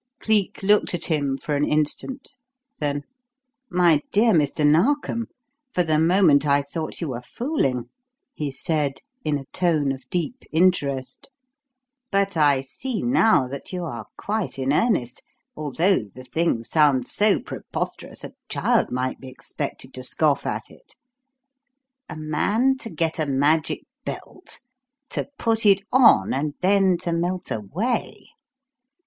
Cleek looked at him for an instant. Then: "My dear Mr. Narkom, for the moment I thought you were fooling," he said in a tone of deep interest. "But I see now that you are quite in earnest, although the thing sounds so preposterous, a child might be expected to scoff at it. A man to get a magic belt, to put it on, and then to melt away?